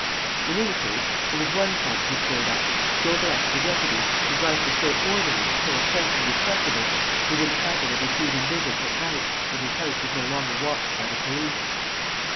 In any case, there was one point to be cleared up: Daubrecq the deputy, whose life was so orderly, so apparently respectable, was in the habit of receiving visits at night, when his house was no longer watched by the police.